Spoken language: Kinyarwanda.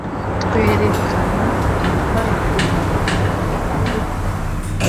twerekana ibibaranga, akazi kababereye,